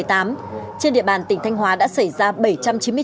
trên địa bàn tỉnh thanh hóa đã xảy ra